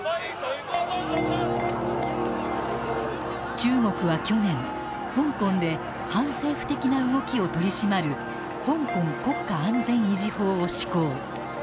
中国は去年香港で反政府的な動きを取り締まる香港国家安全維持法を施行。